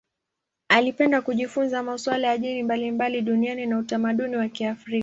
Alipenda kujifunza masuala ya dini mbalimbali duniani na utamaduni wa Kiafrika.